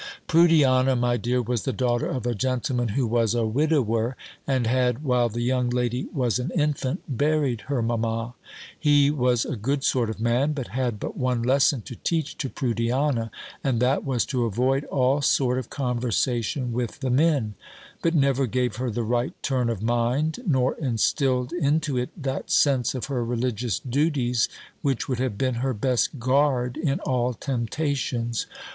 "Prudiana, my dear, was the daughter of a gentleman who was a widower, and had, while the young lady was an infant, buried her mamma. He was a good sort of man; but had but one lesson to teach to Prudiana, and that was to avoid all sort of conversation with the men; but never gave her the right turn of mind, nor instilled into it that sense of her religious duties, which would have been her best guard in all temptations.